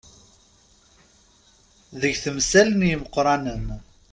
Deg temsal n yimeqqranen.